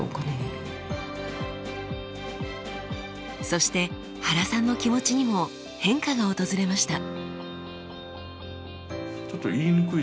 そして原さんの気持ちにも変化が訪れました。